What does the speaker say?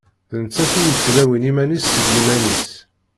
D nettat i yettlawin iman-is s yiman-is.